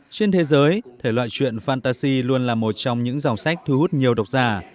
trên thế giới thể loại chuyện fantasy luôn là một trong những dòng sách thu hút nhiều độc giả